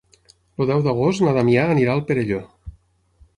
El deu d'agost na Damià anirà al Perelló.